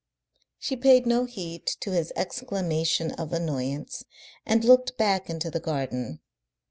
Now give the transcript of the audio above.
She paid no heed to his exclamation of annoyance, and looked back into the garden.